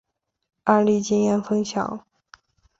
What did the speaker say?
案例经验分享